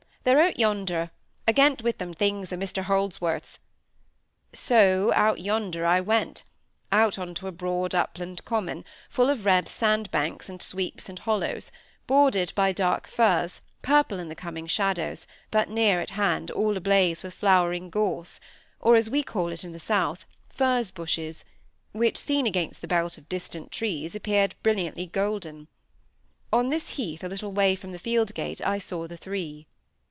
"They're out yonder—agait wi' them things o' Measter Holdsworth's." So "out yonder" I went; out on to a broad upland common, full of red sand banks, and sweeps and hollows; bordered by dark firs, purple in the coming shadows, but near at hand all ablaze with flowering gorse, or, as we call it in the south, furze bushes, which, seen against the belt of distant trees, appeared brilliantly golden. On this heath, a little way from the field gate, I saw the three.